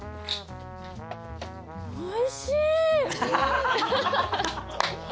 おいしい！